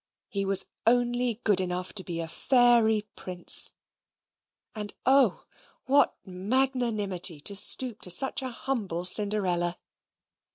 He was only good enough to be a fairy prince; and oh, what magnanimity to stoop to such a humble Cinderella!